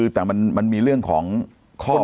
แต่มันมีเรื่องของข้อบังคับ